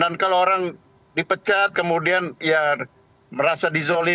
dan kalau orang dipecat kemudian ya merasa dizolir